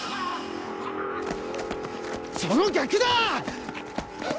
その逆だ！